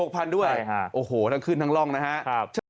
๖๐๐๐บาทด้วยโอ้โหทั้งขึ้นทั้งร่องนะฮะ